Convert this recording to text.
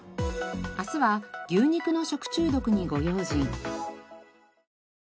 明日は牛肉の食中毒にご用心。